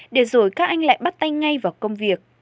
để rồi các anh lại bắt tay ngay vào công việc